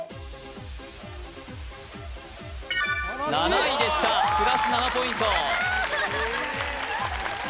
７位でしたプラス７ポイントやった！